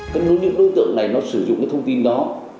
các đối tượng này sử dụng thông tin đó